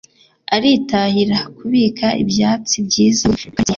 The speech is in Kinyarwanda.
Arihatira kubika ibyatsi byiza muri quartier.